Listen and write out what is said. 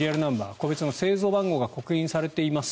個別の製造番号が刻印されています。